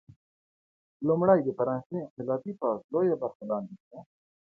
لومړی د فرانسې انقلابي پوځ لویه برخه لاندې کړه.